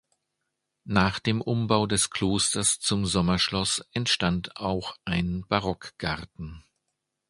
Nach dem Umbau des Klosters zum Sommerschloss entstand auch ein Barockgarten.